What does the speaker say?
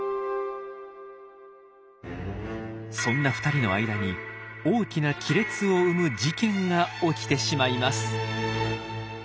そんな二人の間に大きな亀裂を生む事件が起きてしまいます。